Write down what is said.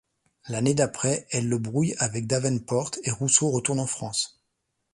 L’année d’après, elle le brouille avec Davenport, et Rousseau retourne en France.